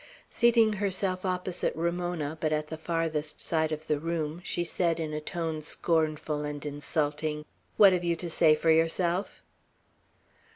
Seating herself opposite Ramona, but at the farthest side of the room, she said, in a tone scornful and insulting, "What have you to say for yourself?"